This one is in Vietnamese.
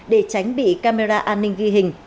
để tránh bị camera an ninh ghi hình